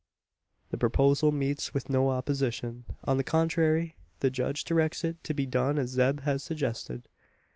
The proposal meets with no opposition. On the contrary, the judge directs it to be done as Zeb has suggested.